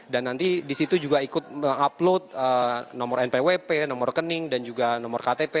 dan nanti di situ juga ikut mengupload nomor npwp nomor rekening dan juga nomor ktp